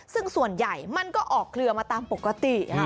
ซึ่งส่วนใหญ่มันก็ออกเครือมาตามปกติ